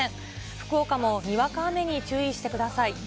福岡もにわか雨に注意してください。